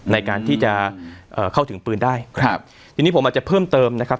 ในการที่จะเอ่อเข้าถึงปืนได้ครับทีนี้ผมอาจจะเพิ่มเติมนะครับ